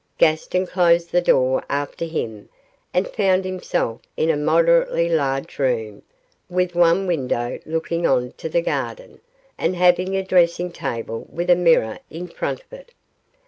Gaston closed the door after him, and found himself in a moderately large room, with one window looking on to the garden, and having a dressing table with a mirror in front of it.